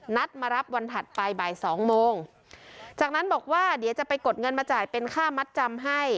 นัดมารับวันถัดไปบ่ายสองโมงจากนั้นบอกว่าเดี๋ยวจะไปกดเงินมาจ่ายเป็นค่ามัดจำให้